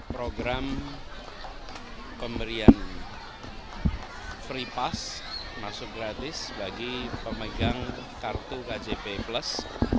program pemberian free pass masuk gratis bagi pemegang kartu kjp plus